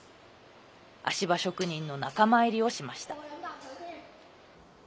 足場職人の仲間入りをしました。